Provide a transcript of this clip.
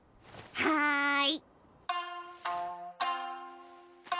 はい！